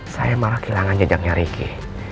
saya malah kehilangan jejaknya ricky